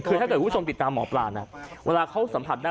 คือถ้าเกิดคุณผู้ชมติดตามหมอปลานะเวลาเขาสัมผัสได้